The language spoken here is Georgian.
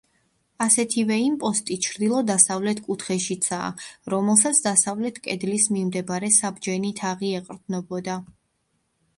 ასეთივე იმპოსტი ჩრდილო-დასავლეთ კუთხეშიცაა, რომელსაც დასავლეთ კედლის მიმდებარე საბჯენი თაღი ეყრდნობოდა.